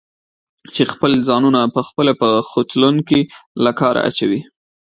چې خپل ځانونه پخپله په خوټلون کې له کاره اچوي؟